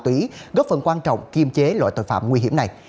tội phạm ma túy góp phần quan trọng kiêm chế loại tội phạm nguy hiểm này